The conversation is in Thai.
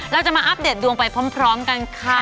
เราจะมาอัปเดตดวงไปพร้อมกันค่ะ